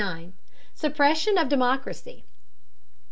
SUPPRESSION OF DEMOCRACY.